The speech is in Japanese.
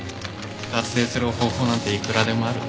脱税する方法なんていくらでもある。